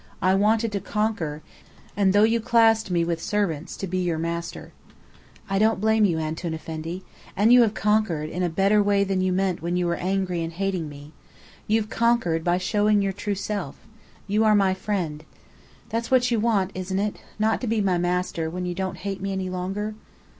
I wanted to conquer, and though you classed me with servants, to be your master." "I don't blame you, Antoun Effendi! And you have conquered, in a better way than you meant when you were angry and hating me. You've conquered by showing your true self. You are my friend. That's what you want, isn't it? Not to be my master, when you don't hate me any longer."